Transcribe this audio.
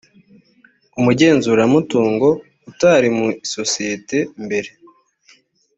umugenzuramutungo utari mu isosiyete mbere